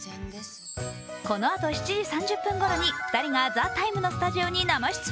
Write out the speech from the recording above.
このあと７時３０分ごろに２人が「ＴＨＥＴＩＭＥ’」のスタジオに生出演。